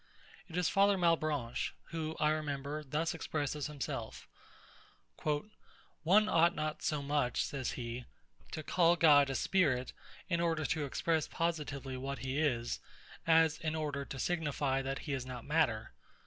It is Father MALEBRANCHE, who, I remember, thus expresses himself [Recherche de la Verite. Liv. 3. Chap.9]. "One ought not so much," says he, "to call God a spirit, in order to express positively what he is, as in order to signify that he is not matter.